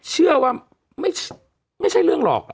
เชื่อว่าไม่ใช่เรื่องหรอก